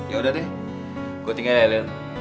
yaudah deh gue tinggal ya lil